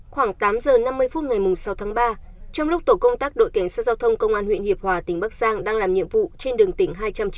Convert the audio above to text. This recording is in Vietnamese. khoảng tám giờ năm mươi phút ngày sáu tháng ba trong lúc tổ công tác đội cảnh sát giao thông công an huyện hiệp hòa tỉnh bắc giang đang làm nhiệm vụ trên đường tỉnh hai trăm chín mươi